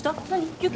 休憩？